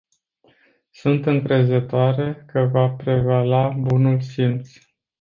Sunt încrezătoare că va prevala bunul simț.